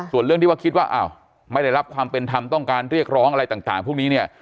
ส่วนเรื่องที่ว่าคิดว่าอ้าวไม่ได้รับความเป็นธรรมต้องการเรียกร้องอะไรต่างพวกนี้เนี่ย